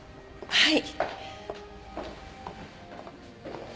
はい。